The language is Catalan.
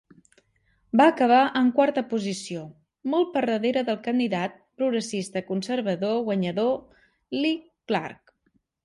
Va acabar en quarta posició, molt per darrere del candidat progressista-conservador guanyador Lee Clark.